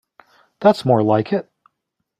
That's more like it.